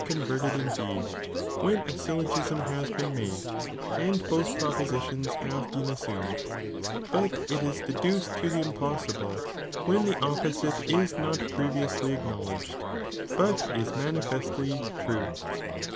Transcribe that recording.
converted indeed, when a syllogism has been made, and botli propositions have been assumed, but it is de duced to tiie impossible, when the opposite is not previously acknowledged but is manifestly true.